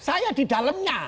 saya di dalamnya